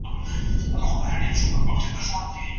اخلاق د انسان تر ټولو لویه شتمني ده.